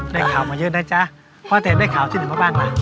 ได้ข่าวมาเยอะนะจ๊ะพ่อแต่ได้ข่าวที่หนึ่งมาบ้างล่ะ